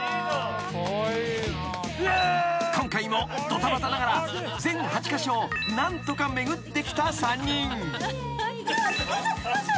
［今回もどたばたながら全８カ所を何とか巡ってきた３人］